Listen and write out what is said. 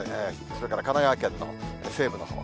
それから神奈川県の西部のほう。